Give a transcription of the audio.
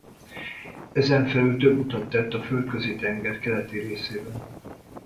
Ezenfelül több utat tett a Földközi-tenger keleti részében.